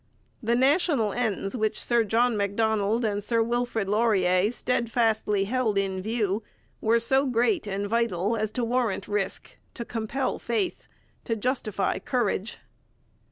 The national ends which Sir John Macdonald and Sir Wilfrid Laurier steadfastly held in view were so great and vital as to warrant risk, to compel faith, to justify courage.